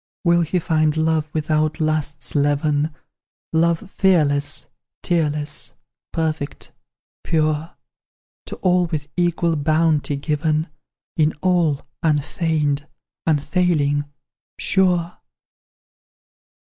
"Will he find love without lust's leaven, Love fearless, tearless, perfect, pure, To all with equal bounty given; In all, unfeigned, unfailing, sure?